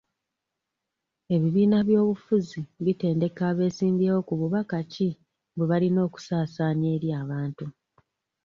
Ebibiina by'obufuzi bitendeka abesimbyewo ku bubaka ki bwe balina okusaasaanya eri abantu.